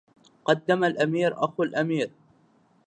قدم الأمير أخو الأمير